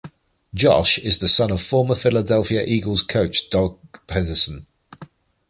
Josh is the son of former Philadelphia Eagles coach Doug Pederson.